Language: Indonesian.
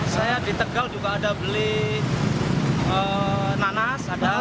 saya di tegal juga ada beli nanas